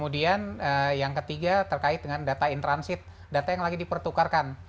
data in transit data yang lagi dipertukarkan